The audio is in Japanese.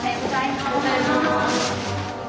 おはようございます。